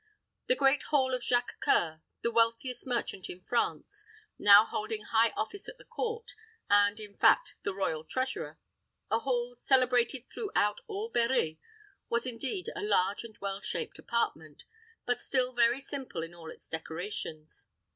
The great hall of Jacques C[oe]ur, the wealthiest merchant in France, now holding high office at the court, and, in fact, the royal treasurer a hall celebrated throughout all Berri was indeed a large and well shaped apartment, but still very simple in all its decorations.